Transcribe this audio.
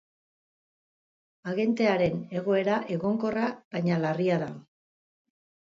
Agentearen egoera egonkorra baina larria da.